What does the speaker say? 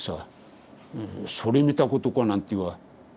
「それ見たことか」なんては言わない。